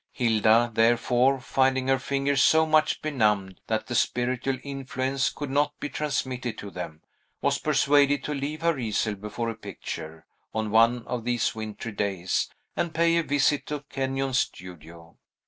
Hilda, therefore, finding her fingers so much benumbed that the spiritual influence could not be transmitted to them, was persuaded to leave her easel before a picture, on one of these wintry days, and pay a visit to Kenyon's studio.